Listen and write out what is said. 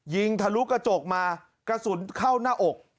ทะลุกระจกมากระสุนเข้าหน้าอก